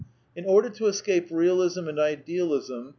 In order to escape Bealism and Idealism M.